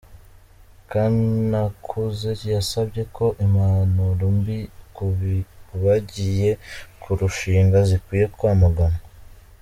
Kanakuze yasabye ko impanuro mbi ku bagiye kurushinga zikwiye kwamaganwa.